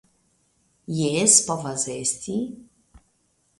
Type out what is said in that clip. Jes, povas esti.